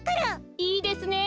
いいですね。